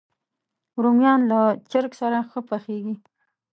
رومیان له چرګ سره ښه پخېږي